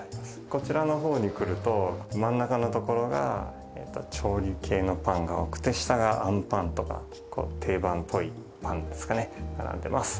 こちらの方に来ると真ん中の所が調理系のパンが多くて下があんぱんとか定番っぽいパンですかね並んでます